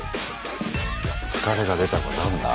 疲れが出たか何だ？